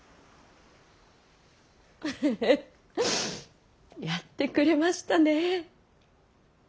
フフフやってくれましたね。